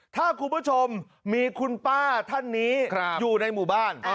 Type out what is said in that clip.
ถ้าคุณผู้ชมมีคุณป้าท่านนี้อยู่ในหมู่บ้าน